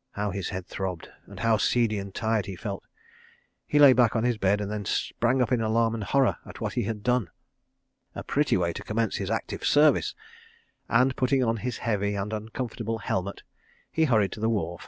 ... How his head throbbed, and how seedy and tired he felt! ... He lay back on his bed and then sprang up in alarm and horror at what he had done. A pretty way to commence his Active Service!—and, putting on his heavy and uncomfortable helmet, he hurried to the wharf.